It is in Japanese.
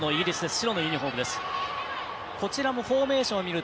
白のユニフォームです。